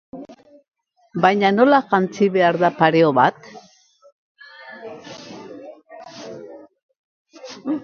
Baina nola jantzi behar da pareo bat?